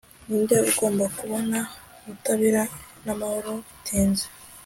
Ninde ugomba kubona ubutabera namahoro bitinze